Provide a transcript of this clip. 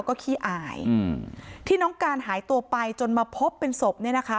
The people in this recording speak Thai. ก็ขี้อายอืมที่น้องการหายตัวไปจนมาพบเป็นศพเนี่ยนะคะ